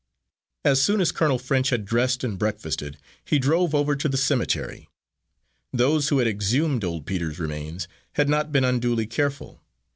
As soon as Colonel French had dressed and breakfasted, he drove over to the cemetery. Those who had exhumed old Peter's remains had not been unduly careful.